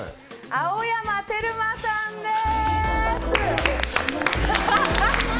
青山テルマさんです！